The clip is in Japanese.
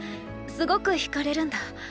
すごく惹かれるんだ。